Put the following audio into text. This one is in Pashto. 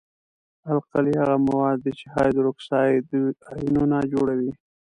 القلي هغه مواد دي چې هایدروکساید آیونونه جوړوي.